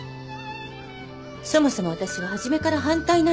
そもそも私は初めから反対なんです。